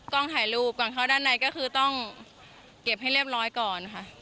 ถ่ายรูปก่อนเข้าด้านในก็คือต้องเก็บให้เรียบร้อยก่อนค่ะ